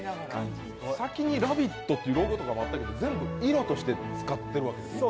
先に「ラヴィット！」ってロゴがあったのを全部色として使ってるわけですね？